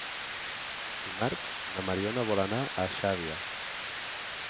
Dimarts na Mariona vol anar a Xàbia.